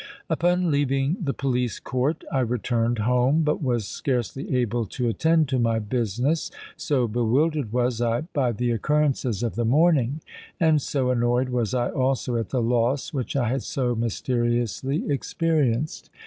Upon leaving the Police Court I returned home, but was scarcely able to attend to my business, so bewildered was I by the occurrences of the morning, and so annoyed was I also at the loss which I had so mysteriously experienced.